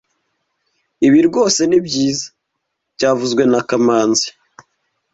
Ibi rwose ni byiza byavuzwe na kamanzi